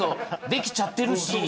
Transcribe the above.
できちゃってるし。